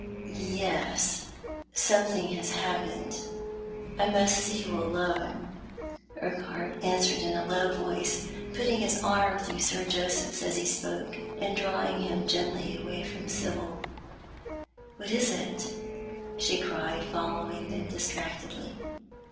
" Yes— something has happened. I must see you alone/' " W/iai do you knozu about this .?" 117 Urquhart answered in a low voice, piitting his arm through Sir Joseph's as he spoke, and drawing him gently away from Sibyl. " What is it ?" she cried, following them distractedly.